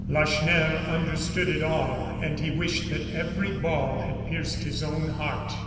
Lacheneur understood it all; and he wished that every ball had pierced his own heart.